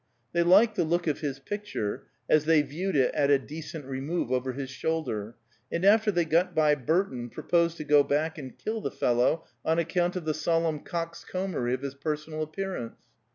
They liked the look of his picture, as they viewed it at a decent remove over his shoulder, and after they got by Burton proposed to go back and kill the fellow on account of the solemn coxcombery of his personal appearance.